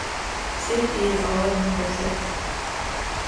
Safety is always number six.